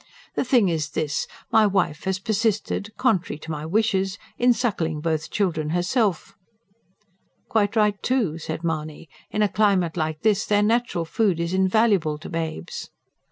The thing is this. My wife has persisted, contrary to my wishes, in suckling both children herself." "Quite right, too," said Mahony. "In a climate like this their natural food is invaluable to babes."